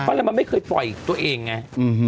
ก็เลยมันไม่เคยปล่อยตัวเองไง